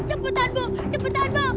cepetan bu cepetan bu